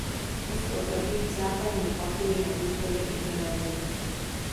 Ostrov leží v Západní Papui na východě Indonésie.